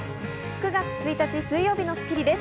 ９月１日、水曜日の『スッキリ』です。